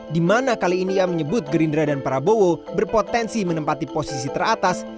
di mana kali ini ia menyebut gerindra dan prabowo berpotensi menempati posisi teratas